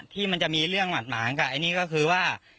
ที่มันจะมีเรื่องหวัดหมางกับอันนี้ก็คือว่า